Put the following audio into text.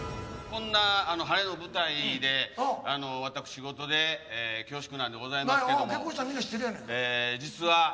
こんな晴れの舞台で私事で恐縮なんでございますけど実は。